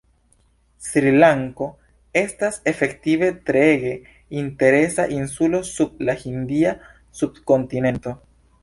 Sri-Lanko estas efektive treege interesa insulo sub la hindia subkontinento.